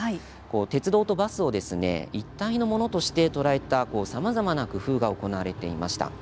鉄道とバスを一体のものとして捉えたさまざまな工夫が行われていました。